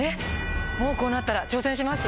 もうこうなったら挑戦します。